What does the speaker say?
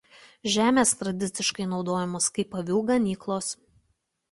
Žemės tradiciškai naudojamos kaip avių ganyklos.